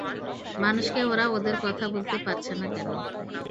মানুষকে ওরা ওদের কথা বলতে পারছে না কেন?